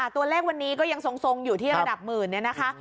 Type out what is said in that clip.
ตัวเลขวันนี้ก็ยังทรงทรงอยู่ที่ระดับ๑๐๐๐๐นะคะ